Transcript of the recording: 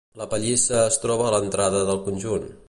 La pallissa es troba a l'entrada del conjunt.